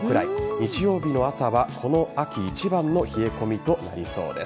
日曜日の朝はこの秋一番の冷え込みとなりそうです。